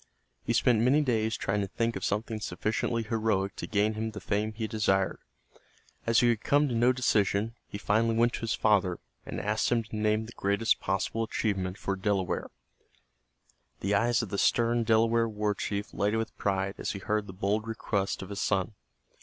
He spent many days trying to think of something sufficiently heroic to gain him the fame he desired. As he could come to no decision, he finally went to his father, and asked him to name the greatest possible achievement for a Delaware. The eyes of the stern Delaware war chief lighted with pride as he heard the bold request of his son.